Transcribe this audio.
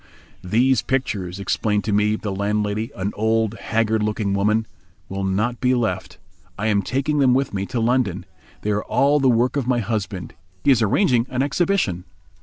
"These pictures," explained to me the landlady, an old, haggard looking woman, "will not be left, I am taking them with me to London. They are all the work of my husband. He is arranging an exhibition."